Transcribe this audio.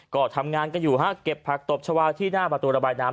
ก็ทำงานกันอยู่ฮะเก็บผักตบชาวาที่หน้าประตูระบายน้ำ